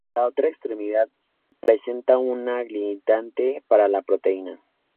La otra extremidad presenta un aglutinante para la proteína.